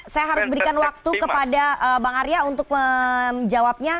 saya harus berikan waktu kepada bang arya untuk menjawabnya